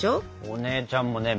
お姉ちゃんもね